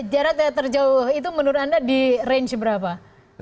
jarak terjauh itu menurut anda di range berapa